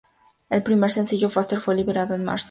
El primer sencillo, "Faster", fue liberado en marzo.